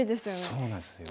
そうなんですよ。